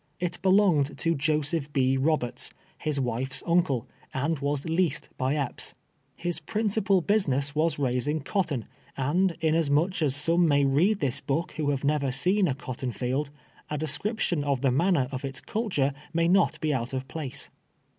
It belonged to Josejjh B. Boberts, his wife's uncle, and was leased by Epps. His prin cijjal business was raising cotton, and inasmuch as some may read this book who have never seen a cot ton field, a description of the manner of its culture may not be out of place.